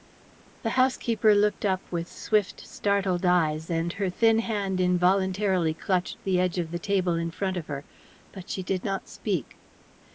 The housekeeper looked up with swift, startled eyes, and her thin hand involuntarily clutched the edge of the table in front of her, but she did not speak.